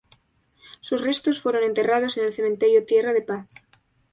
Sus restos fueron enterrados en el cementerio Tierra de Paz.